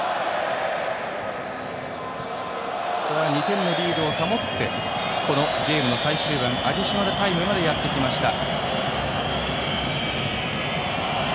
２点のリードを保ってこのゲームの最終盤アディショナルタイムまでやってきました。